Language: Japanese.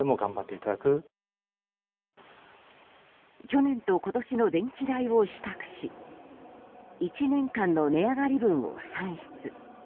去年と今年の電気代を比較し１年間の値上がり分を算出。